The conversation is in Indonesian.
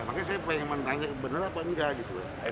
makanya saya pengen menanyakan bener apa engga gitu